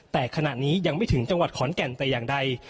แต่ขณะนี้ยังไม่ถึงจังหวัดขอนแก่นแต่อย่างใด